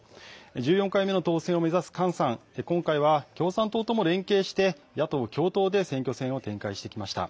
１４回目の当選を目指す菅さん、今回は共産党とも連携して野党共闘で選挙戦を展開してきました。